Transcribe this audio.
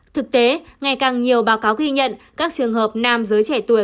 thực tế ngày càng nhiều báo cáo ghi nhận các trường hợp nam giới trẻ tuổi